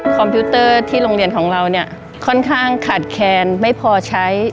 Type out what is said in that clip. คอมพิวเตอร์ที่โรงเรียนของเราเนี่ยค่อนข้างขาดแคลนไม่พอใช้